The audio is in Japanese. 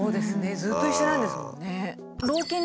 ずっと一緒なんですもんね。